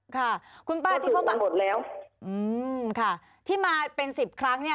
ค่ะคุณป้าที่เขามาหมดแล้วอืมค่ะที่มาเป็นสิบครั้งเนี่ย